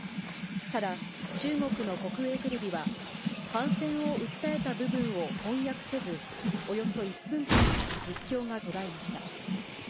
ただ、中国の国営テレビは、反戦を訴えた部分を翻訳せず、およそ１分間、実況が途絶えました。